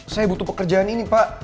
saya butuh pekerjaan ini pak